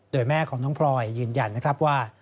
โดยแม่ของน้องพลอยยืนยันนะครับว่า